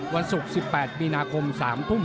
วันศุกร์๑๘มีนาคม๓ทุ่ม